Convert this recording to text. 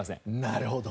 なるほど。